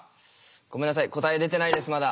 ごめんなさい答え出てないですまだ。